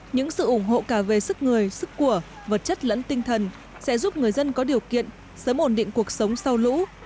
những sự ủng hộ cả về sức người sức của vật chất lẫn tinh thần sẽ giúp người dân có điều kiện sớm ổn định cuộc sống sau lũ